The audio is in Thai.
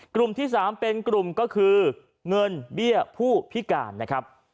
กลุ่มที่๓เป็นกลุ่มก็คือเงินเบี้ยผู้พิการนะครับ